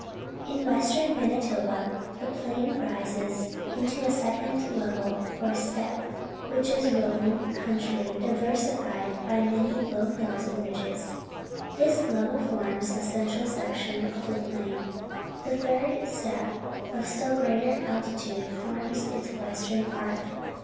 In west ern Manitoba the plain rises into a second level, or steppe, which is rolling country diversified by many low hills and ridges. This level forms the central section of the plain. A third steppe of still greater altitude forms its western part.